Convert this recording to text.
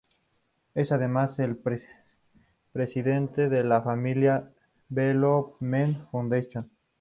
Es, además, la presidenta de la Family Development Foundation.